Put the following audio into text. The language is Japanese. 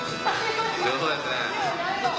強そうですね。